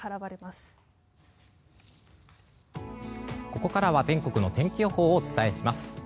ここからは全国の天気予報をお伝えします。